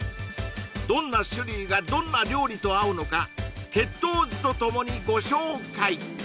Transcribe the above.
どんな種類がどんな料理と合うのか血統図とともにご紹介